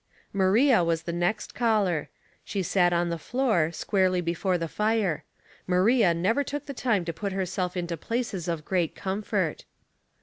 Maria was the next caller. She sat on the floor, squarely before the fire. Maria never took the time to put herself into places of great comfort.